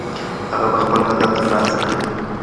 هغه به خپل هدف ترلاسه کړي.